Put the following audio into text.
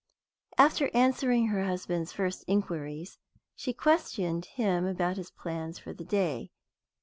After answering her husband's first inquiries, she questioned him about his plans for the day.